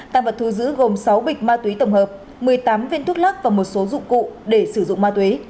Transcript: tăng vật thu giữ gồm sáu bịch ma túy tổng hợp một mươi tám viên thuốc lắc và một số dụng cụ để sử dụng ma túy